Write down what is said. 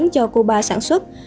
cho cuba sản xuất